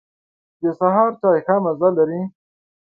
د سهار چای ښه مزه لري.